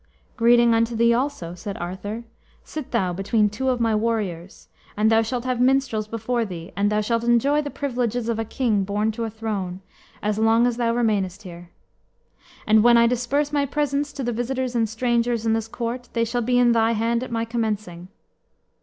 "Greeting unto thee also," said Arthur; "sit thou between two of my warriors, and thou shalt have minstrels before thee, and thou shalt enjoy the privileges of a king born to a throne, as long as thou remainest here. And when I disperse my presents to the visitors and strangers in this court, they shall be in thy hand at my commencing."